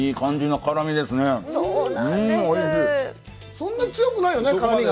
そんなに強くないよね、辛みが。